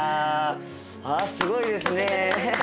すごいですね。